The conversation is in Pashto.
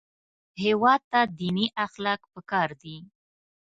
هېواد ته دیني اخلاق پکار دي